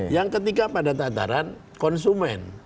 yang ketiga pada tataran konsumen